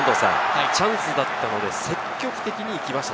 チャンスだったので積極的にいきました。